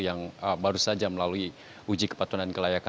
yang baru saja melalui uji kepatuanan kelas